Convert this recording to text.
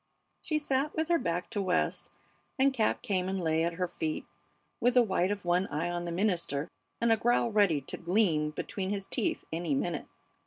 She sat with her back to West, and Cap came and lay at her feet with the white of one eye on the minister and a growl ready to gleam between his teeth any minute.